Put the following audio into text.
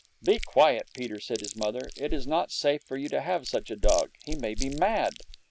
'Be quiet, Peter,' said his mother. 'It is not safe for you to have such a dog. He may be mad.'